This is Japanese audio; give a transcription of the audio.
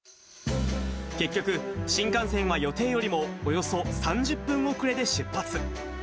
結局、新幹線は予定よりもおよそ３０分遅れで出発。